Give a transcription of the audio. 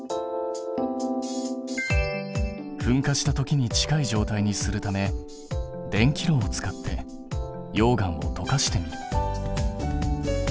噴火したときに近い状態にするため電気炉を使って溶岩をとかしてみる。